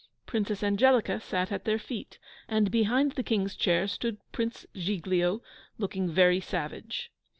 Princess Angelica sat at their feet, and behind the King's chair stood Prince Giglio, looking very savage.